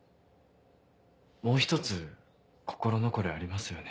もう１つ心残りありますよね。